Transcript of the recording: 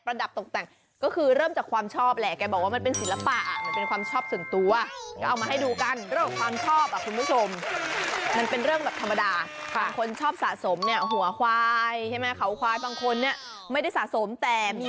แล้วก็จะไม่เหงาอีกเลย